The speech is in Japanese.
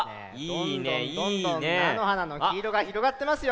どんどんどんどんなのはなのきいろがひろがってますよ。